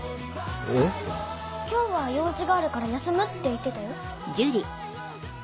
えっ？今日は用事があるから休むって言ってたよ。